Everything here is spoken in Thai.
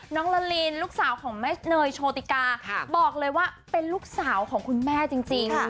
ละลินลูกสาวของแม่เนยโชติกาบอกเลยว่าเป็นลูกสาวของคุณแม่จริง